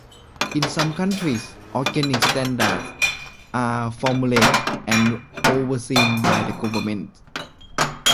In some countries, organic standards are formulated and overseen by the government.